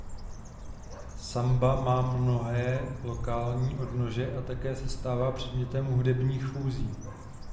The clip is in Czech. Samba má mnohé lokální odnože a také se stává předmětem hudebních fúzí.